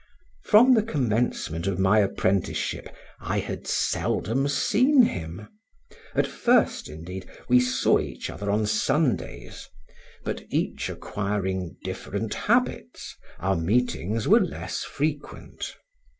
From the commencement of my apprenticeship I had seldom seen him; at first, indeed, we saw each other on Sundays, but each acquiring different habits, our meetings were less frequent.